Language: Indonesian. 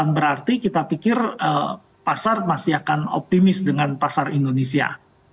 berarti kita pikir pasar masih akan optimis dengan pasar indonesia